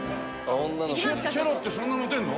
チェロってそんなモテるの？